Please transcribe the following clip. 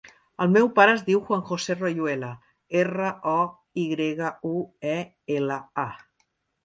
El meu pare es diu Juan josé Royuela: erra, o, i grega, u, e, ela, a.